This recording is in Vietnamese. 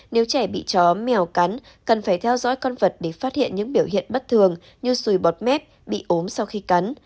nếu trẻ bị chó mèo cắn cần phải theo dõi con vật để phát hiện những biểu hiện bất thường như xùi bọt mép bị ốm sau khi cắn